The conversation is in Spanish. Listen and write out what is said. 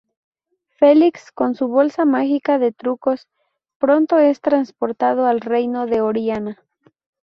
Felix, con su bolsa mágica de trucos, pronto es transportado al Reino de Oriana.